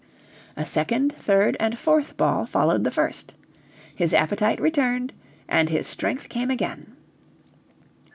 A second, third, and fourth ball followed the first. His appetite returned, and his strength came again.